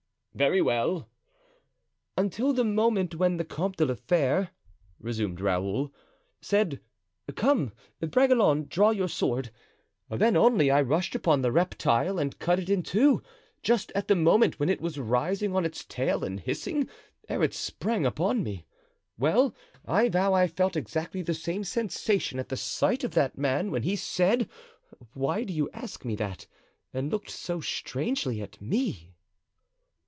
"Very well——" "Until the moment when the Comte de la Fere," resumed Raoul, "said, 'Come, Bragelonne, draw your sword;' then only I rushed upon the reptile and cut it in two, just at the moment when it was rising on its tail and hissing, ere it sprang upon me. Well, I vow I felt exactly the same sensation at sight of that man when he said, 'Why do you ask me that?' and looked so strangely at me."